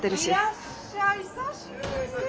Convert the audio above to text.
いらっしゃい久しぶり。